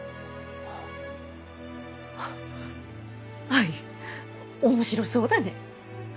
アイ面白そうだね。